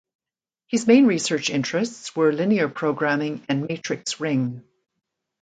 His main research interests were linear programming and matrix ring.